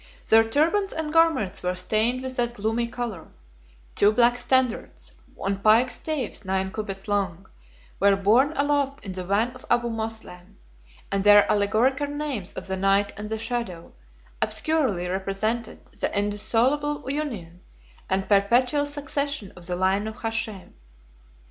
Their turbans and garments were stained with that gloomy color: two black standards, on pike staves nine cubits long, were borne aloft in the van of Abu Moslem; and their allegorical names of the night and the shadow obscurely represented the indissoluble union and perpetual succession of the line of Hashem.